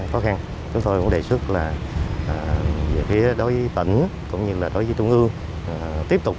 khó khăn chúng tôi cũng đề xuất là về phía đối với tỉnh cũng như là đối với trung ương tiếp tục